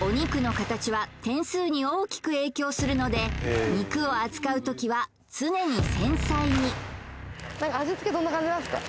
お肉の形は点数に大きく影響するので肉を扱うときは常に繊細に味付けどんな感じなんですか？